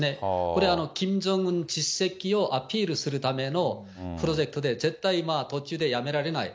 これキム・ジョンウン実績をアピールするためのプロジェクトで、絶対、途中でやめられない。